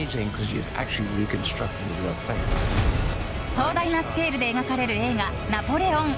壮大なスケールで描かれる映画「ナポレオン」。